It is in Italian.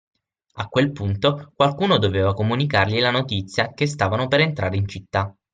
A quel punto, qualcuno doveva comunicargli la notizia che stavano per entrare in città